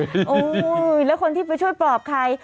โอ้โหแล้วคนที่ไปช่วยปลอบใคร